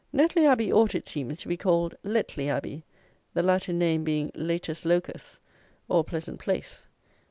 Netley Abbey ought, it seems, to be called Letley Abbey, the Latin name being Lætus Locus, or Pleasant Place.